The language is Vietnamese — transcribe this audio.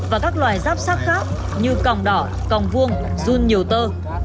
và các loài ráp sát khác như còng đỏ còng vuông dun nhiều tơ